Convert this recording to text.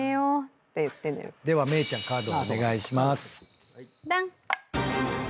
では芽郁ちゃんカードをお願いします。